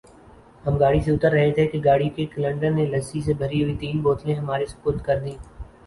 ہم گاڑی سے اتر رہے تھے کہ گاڑی کے کلنڈر نے لسی سے بھری ہوئی تین بوتلیں ہمارے سپرد کر دیں